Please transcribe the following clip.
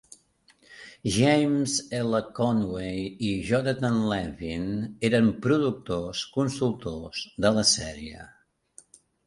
James L. Conway i Jonathan Levin eren productors consultors de la sèrie.